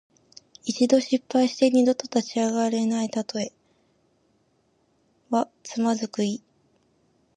一度失敗して二度と立ち上がれないたとえ。「蹶」はつまずく意。